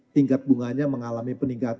tingkat bunganya mengalami perkembangan